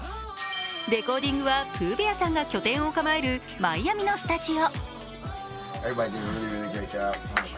レコーディングはＰｏｏＢｅａｒさんが拠点を構えるマイアミのスタジオ。